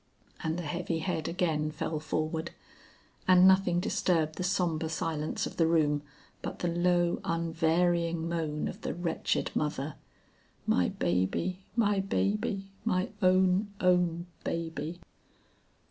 And the heavy head again fell forward, and nothing disturbed the sombre silence of the room but the low unvarying moan of the wretched mother, "My baby, my baby, my own, own baby!"